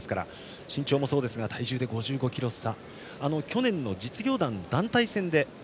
身長もそうですが体重で５５ｋｇ差。